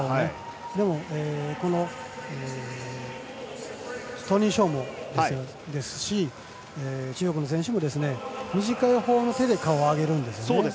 でも、トニ・ショーもですし中国の選手も、短いほうの手で顔を上げるんですね。